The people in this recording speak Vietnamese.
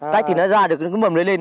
tách thì nó ra được cái bầm lấy lên